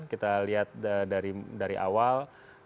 kita lihat dari awal